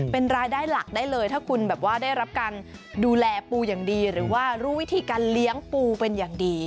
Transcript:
เป็นรายได้หลักได้เลยถ้าคุณแบบว่าได้รับการดูแลปูอย่างดีหรือว่ารู้วิธีการเลี้ยงปูเป็นอย่างดี